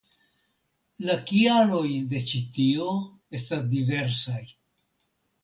La kialoj de ĉi tio estas diversaj.